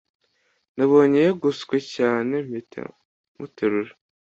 nabonye yagoswe cyane mpita muterura